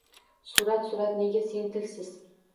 Surat, surat! Nega sen tilsiz?..